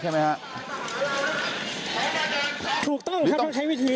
คุณภูริพัฒน์บุญนิน